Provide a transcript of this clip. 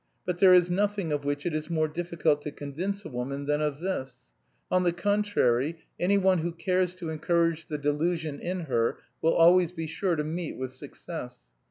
But there is nothing of which it is more difficult to convince a woman than of this; on the contrary, anyone who cares to encourage the delusion in her will always be sure to meet with success.